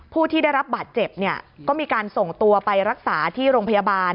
ผู้ที่ได้รับบาดเจ็บเนี่ยก็มีการส่งตัวไปรักษาที่โรงพยาบาล